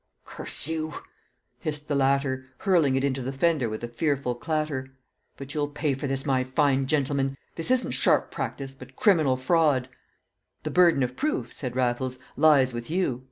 "Curse you!" hissed the latter, hurling it into the fender with a fearful clatter. "But you'll pay for this, my fine gentlemen; this isn't sharp practice, but criminal fraud." "The burden of proof," said Raffles, "lies with you.